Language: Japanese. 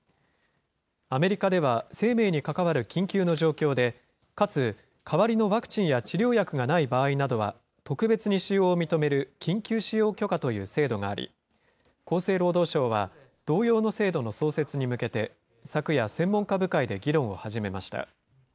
アメリカでは生命に関わる緊急の状況で、かつ代わりのワクチンや治療薬がない場合などは特別に使用を認める緊急使用許可という制度があり、厚生労働省は、同様の制度の創設に向けて、昨夜、専門家部会で議論を始めました。